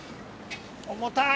重たい！